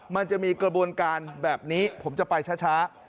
มันจะมีกระบวนการแบบนี้ผมจะไปช้า